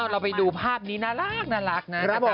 เราไปดูภาพนี้น่ารักนะ